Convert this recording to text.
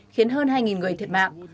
khiến hơn hai người thiệt mạng